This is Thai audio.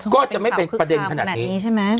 ก็จะไม่เป็นประเด็นขนาดนี้ใช่ไหม